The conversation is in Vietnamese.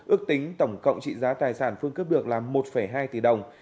ước tính tổng cộng trị giá tài sản phương cướp được là một hai tỷ đồng